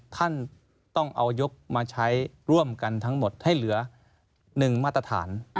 ท่านต้องเอายกมาใช้ร่วมกันทั้งหมดให้เหลือ๑มาตรฐาน